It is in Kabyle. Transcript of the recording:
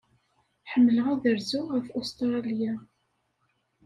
Ḥemmleɣ ad rzuɣ ɣef Ustṛalya.